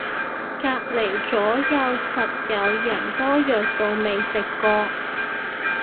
隔離咗右實有人多藥到未食過